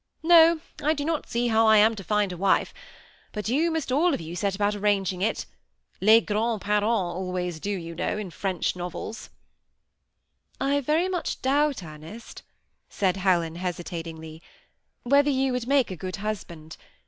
No, I do not see how I am to find a wife ; but you mast all of you set about arranging it ' Let grands parents^ always do, you know, in French novels." THE SEMI ATTACHED COUPLE. 345 " I very much doubt, Ernest," said Helen, hesitating ly, " whether you would make a good husband.